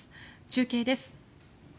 中継です。